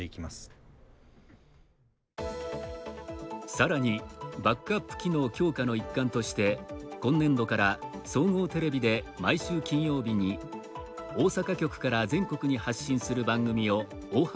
さらにバックアップ機能強化の一環として、今年度から総合テレビで毎週金曜日に大阪局から全国に発信する番組を大幅に増やしました。